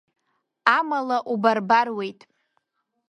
Амала убарбаруеит.